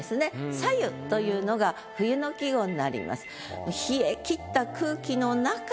「冴ゆ」というのが冬の季語になります。